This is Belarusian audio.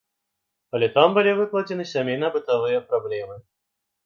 Але там былі выкладзеныя сямейна-бытавыя праблемы.